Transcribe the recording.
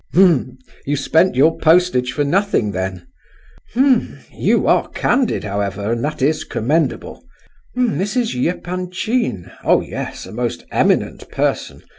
"H'm! you spent your postage for nothing, then. H'm! you are candid, however—and that is commendable. H'm! Mrs. Epanchin—oh yes! a most eminent person.